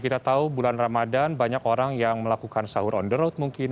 kita tahu bulan ramadan banyak orang yang melakukan sahur on the road mungkin